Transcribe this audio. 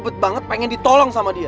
sampai jumpa di video selanjutnya